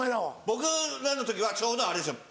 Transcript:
僕らの時はちょうどあれですよ